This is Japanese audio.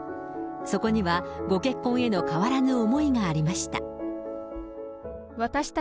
そこにはご結婚への変わらぬ思いがありました。